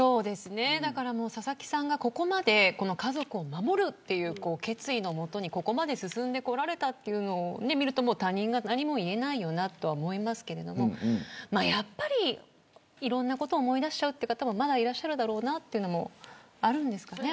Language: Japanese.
佐々木さんがここまで家族を守るという決意のもとに進んでこられたのを見ると他人が何も言えないよなとは思いますけれどもやっぱり、いろんなこと思い出しちゃうという方もいるだろうなというのもあるんですかね。